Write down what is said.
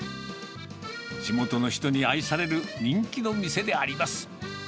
地元の人に愛される人気の店であります。